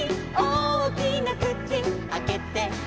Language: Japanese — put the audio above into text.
「おおきなくちあけて」